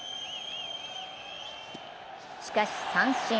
しかし三振。